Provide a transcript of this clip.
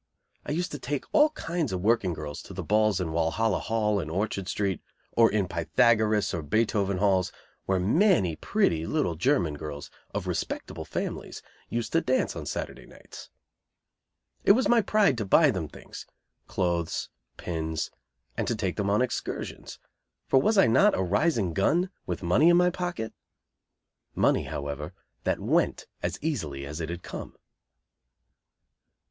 I used to take all kinds of working girls to the balls in Walhalla Hall in Orchard Street; or in Pythagoras, or Beethoven Halls, where many pretty little German girls of respectable families used to dance on Saturday nights. It was my pride to buy them things clothes, pins, and to take them on excursions; for was I not a rising "gun," with money in my pocket? Money, however, that went as easily as it had come.